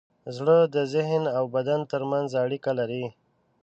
زړه د ذهن او بدن ترمنځ اړیکه لري.